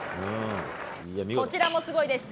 こちらもすごいです。